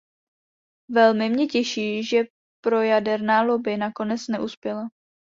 Velmi mne těší, že projaderná lobby nakonec neuspěla.